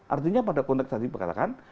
artinya pada konteks tadi saya katakan